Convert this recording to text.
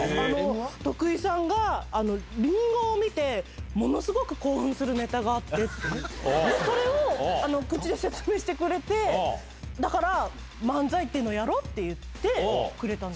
徳井さんがりんごを見て、ものすごく興奮するネタがあって、それを、口で説明してくれて、だから、漫才っていうのやろうって言ってくれたんです。